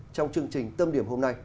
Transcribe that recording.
trong chương trình tâm điểm hôm nay